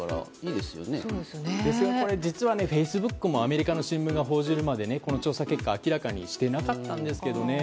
ですが実はフェイスブックもアメリカの新聞が報じるまでこの調査結果を明らかにしていなかったんですけどね。